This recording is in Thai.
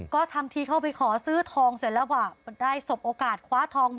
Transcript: ก็ทำทีเข้าไปขอซื้อทองเสร็จแล้วก็ได้สบโอกาสคว้าทอง